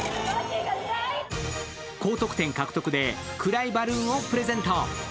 高得点獲得でクライバルーンをプレゼント。